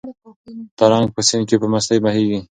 ترنګ په سیند کې په مستۍ بهېږي.